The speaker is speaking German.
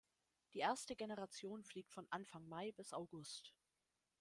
Die erste Generation fliegt von Anfang Mai bis August.